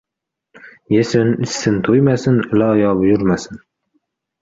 — Yesin-ichsin to‘ymasin, iloyo buyurmasin!